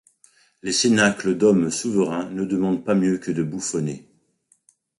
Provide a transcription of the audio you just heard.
Les cénacles d’hommes souverains ne demandent pas mieux que de bouffonner.